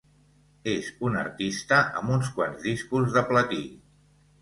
És un artista amb uns quants discos de platí.